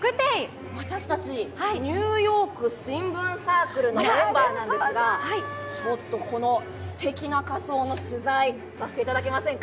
私たちニューヨーク新聞サークルのメンバーですがちょっとこのすてきな仮装の取材させていただけませんか？